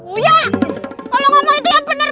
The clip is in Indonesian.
uya kalau ngomong itu ya bener